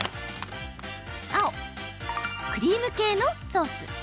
青・クリーム系のソース。